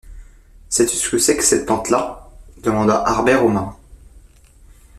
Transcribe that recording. Sais-tu ce que c’est que cette plante-là? demanda Harbert au marin.